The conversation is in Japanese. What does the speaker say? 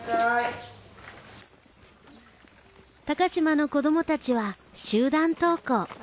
鷹島の子どもたちは集団登校。